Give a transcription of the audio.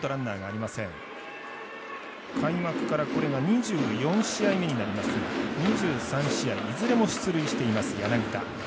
開幕からこれが２４試合目になりますが２３試合いずれも出塁しています柳田。